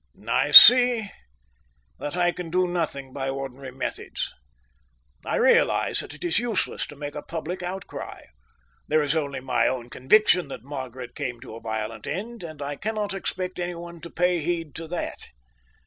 "I see that I can do nothing by ordinary methods. I realize that it is useless to make a public outcry. There is only my own conviction that Margaret came to a violent end, and I cannot expect anyone to pay heed to that."